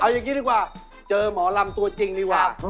อย่างนี้ดีกว่าเจอหมอลำตัวจริงดีกว่า